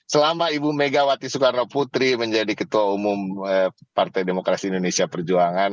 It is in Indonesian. selama ibu megawati soekarno putri menjadi ketua umum partai demokrasi indonesia perjuangan